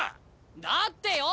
だってよ